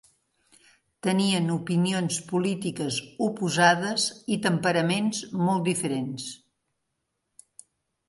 Tenien opinions polítiques oposades i temperaments molt diferents.